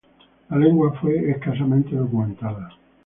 La lengua fue escasamente documentada.